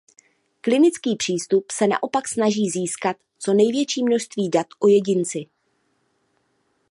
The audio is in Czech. Klinický přístup se naopak snaží získat co největší množství dat o jedinci.